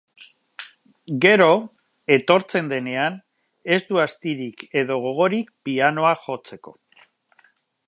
Gero, etortzen denean, ez du astirik edo gogorik pianoa jotzeko.